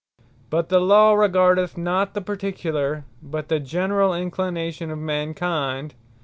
But the Law regardeth not the particular, but the generall inclination of mankind.